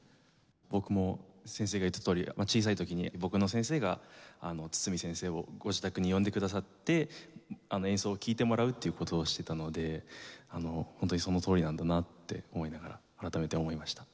僕も先生が言ったとおり小さい時に僕の先生が堤先生をご自宅に呼んでくださって演奏を聴いてもらうっていう事をしていたのでホントにそのとおりなんだなって思いながら改めて思いました。